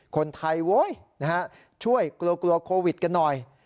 คนไทยโว้ยช่วยกลัวโควิด๑๙กันหน่อย